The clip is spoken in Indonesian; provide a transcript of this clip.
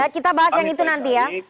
kita bahas yang itu nanti ya